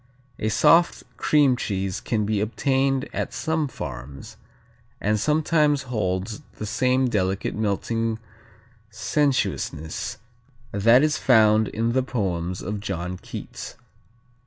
A soft cream cheese can be obtained at some farms, and sometimes holds the same delicate melting sensuousness that is found in the poems of John Keats.